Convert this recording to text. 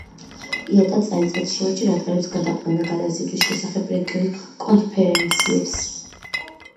იატა წელიწადში ორჯერ ატარებს გადაყვანა-გადაზიდვების შესახებ რეგიონულ კონფერენციებს.